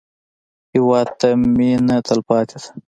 هېواد ته مېنه تلپاتې ده